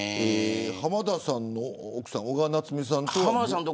浜田さんの奥さん小川菜摘さんと。